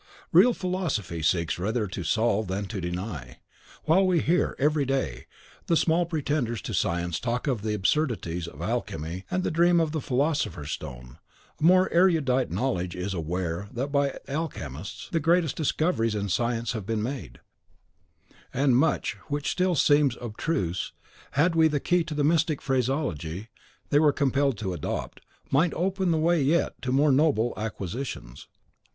Real philosophy seeks rather to solve than to deny. While we hear, every day, the small pretenders to science talk of the absurdities of alchemy and the dream of the Philosopher's Stone, a more erudite knowledge is aware that by alchemists the greatest discoveries in science have been made, and much which still seems abstruse, had we the key to the mystic phraseology they were compelled to adopt, might open the way to yet more noble acquisitions.